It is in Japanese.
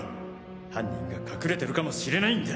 犯人が隠れてるかもしれないんだ。